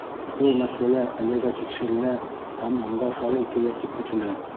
Был мәсьәлә әлегә тикшерелә һәм ыңғай хәл ителер тип көтөлә.